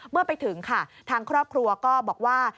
เมื่อไปถึงค่ะทางครอบครัวก็บอกว่า